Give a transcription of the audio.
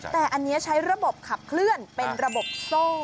แต่อันนี้ใช้ระบบขับเคลื่อนเป็นระบบโซ่